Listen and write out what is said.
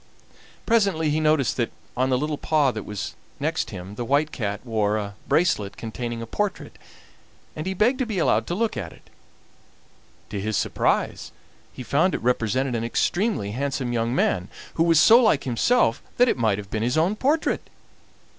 Presently he noticed that on the little paw that was next him the White Cat wore a bracelet containing a portrait, and he begged to be allowed to look at it. To his great surprise he found it represented an extremely handsome young man, who was so like himself that it might have been his own portrait!